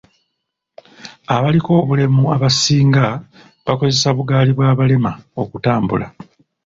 Abaliko obulemu abasinga bakozesa bugaali bw'abalema okutambula.